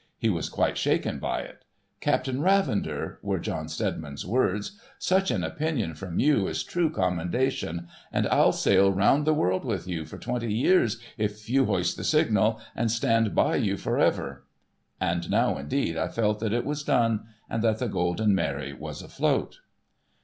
He was quite shaken by it. ' Captain Ravender,' were John Steadiman's words, * such an opinion from you is true commendation, and I'll sail round the world with you for twenty years if you hoist the signal, and stand by you for ever !' And now indeed I felt that it was done, and that the Golden Mary was afloat.